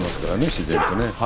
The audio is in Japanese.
自然とね。